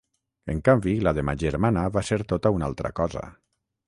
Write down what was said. En canvi, la de ma germana va ser tota una altra cosa.